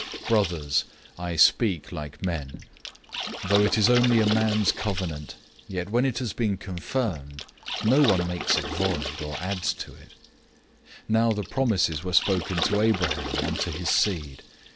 003:015 Brothers, speaking of human terms, though it is only a man's covenant, yet when it has been confirmed, no one makes it void, or adds to it. 003:016 Now the promises were spoken to Abraham and to his seed.